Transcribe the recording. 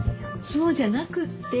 そうじゃなくって。